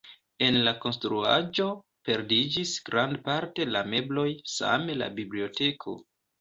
En la konstruaĵo perdiĝis grandparte la mebloj, same la biblioteko.